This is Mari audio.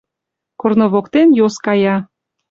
Корно воктен йос кая